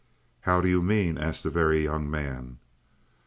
"How do you mean?" asked the Very Young Man.